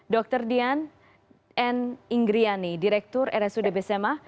dokter dian n ingriani direktur rsu dbsma